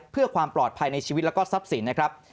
เพื่อความปลอดภัยในชีวิตแล้วก็ทรัพย์สินนะครับ